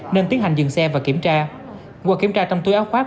nên tiến hành dừng xe và kiểm tra